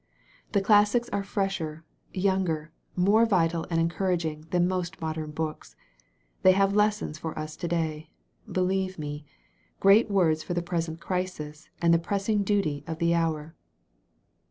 The classics are fresher, younger, more vital and encouraging than most modem books. They have lessons for us to day believe me — ^great words for the present crisis and the pressing duty of the hour."